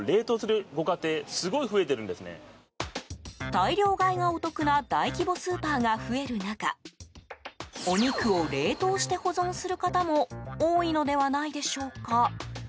大量買いがお得な大規模スーパーが増える中お肉を冷凍して保存する方も多いのではないでしょうか。